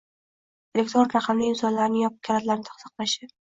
elektron raqamli imzolarning yopiq kalitlarini saqlashi